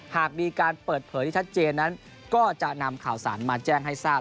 หากมีการเปิดเผยที่ชัดเจนนั้นก็จะนำข่าวสารมาแจ้งให้ทราบ